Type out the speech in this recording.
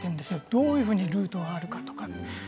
どういうふうにルートがあるかとか。